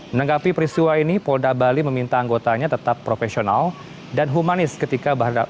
menanggapi peristiwa ini polda bali meminta anggotanya tetap profesional dan humanis ketika berhadapan